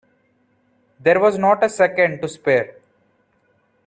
There was not a second to spare.